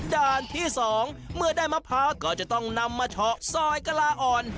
ด้านที่๒เมื่อได้มะพร้าวก็จะต้องนำมาเฉาะซอยกะลาอ่อน